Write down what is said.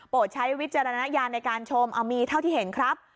ใช้วิจารณญาณในการชมมีเท่าที่เห็นครับ